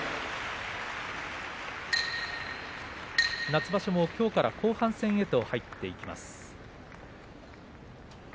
夏場所もきょうから後半戦へと入っていきます。